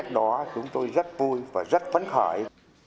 chính sách đó chúng tôi rất vui và rất phấn khởi